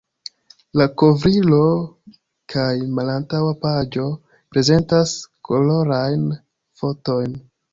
La kovrilo kaj malantaŭa paĝo prezentas kolorajn fotojn.